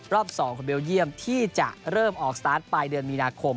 รอบ๒ของเบลเยี่ยมที่จะเริ่มออกสตาร์ทปลายเดือนมีนาคม